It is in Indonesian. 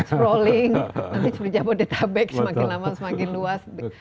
strolling nanti seperti jabodetabek semakin lama semakin luas